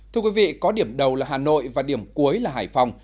thưa quý vị có điểm đầu là hà nội và điểm cuối là hải phòng